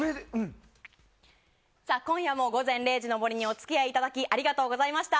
今夜も「午前０時の森」にお付き合いいただきありがとうございました。